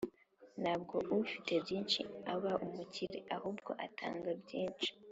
“ntabwo ufite byinshi aba umukire, ahubwo atanga byinshi.”